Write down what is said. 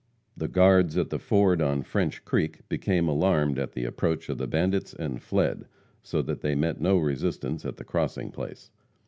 The guards at the ford on French creek became alarmed at the approach of the bandits and fled, so that they met no resistance at the crossing place.